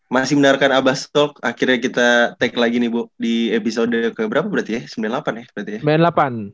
masih menarikan abasol akhirnya kita tag lagi nih bu di episode keberapa berarti ya sembilan puluh delapan ya